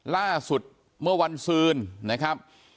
ล่าสุดเมื่อวันซืนนะครับ